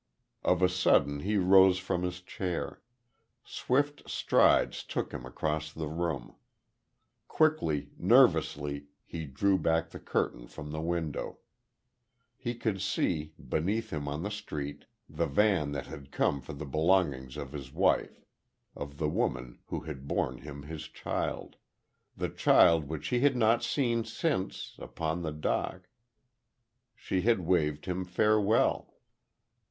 Of a sudden he rose from his chair. Swift strides took him across the room. Quickly, nervously, he drew back the curtain from the window.... He could see, beneath him in the street, the van that had come for the belongings of his wife of the woman who had borne him his child the child which he had not seen since, upon the dock, she had waved him farewell.